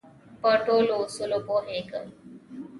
په ټولو اصولو پوهېږم.